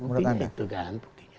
buktinya itu kan